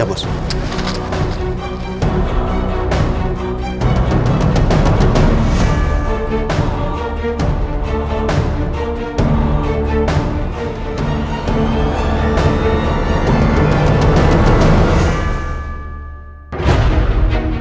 aku mau pergi